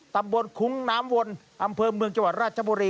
คุ้งน้ำวนอำเภอเมืองจังหวัดราชบุรี